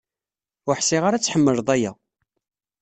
Ur ḥṣiɣ ara ad tḥemleḍ aya.